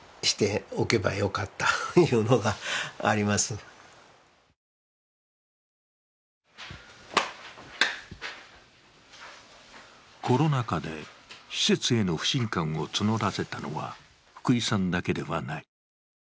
福井さんはコロナ禍で施設への不信感をつのらせたのは福井さんだけではない。